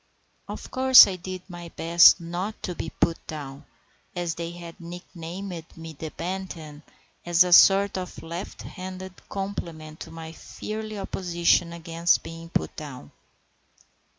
Of course I did my best not to be put down, and they had nicknamed me "the Bantam," as a sort of left handed compliment to my fiery opposition against being put down.